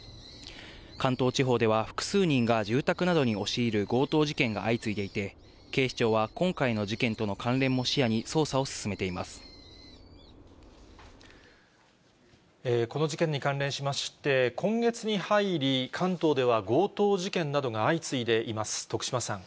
関東地方では、複数人が住宅などに押し入る強盗事件が相次いでいて、警視庁は今回の事件との関連この事件に関連しまして、今月に入り、関東では強盗事件などが相次いでいます。